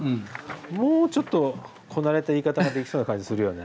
もうちょっとこなれた言い方ができそうな感じするよね。